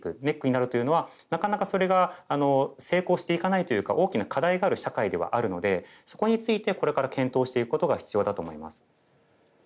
ネックになるというのはなかなかそれが成功していかないというか大きな課題がある社会ではあるのでそこについてこれから検討していくことが必要だと思います。